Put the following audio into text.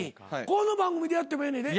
この番組でやってもええねんで。